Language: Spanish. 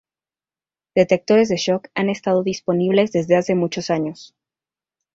Detectores de shock han estado disponibles desde hace muchos años.